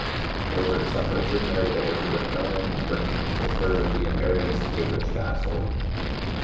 Gilbert's son Richard married Elizabeth Comyn, bringing with her the inheritance of Goodrich Castle.